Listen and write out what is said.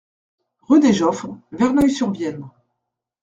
Rue des Geoffres, Verneuil-sur-Vienne